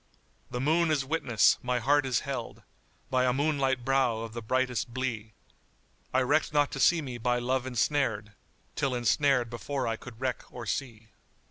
The moon is witness my heart is held * By a moonlight brow of the brightest blee: I reckt not to see me by Love ensnared * Till ensnared before I could reck or see."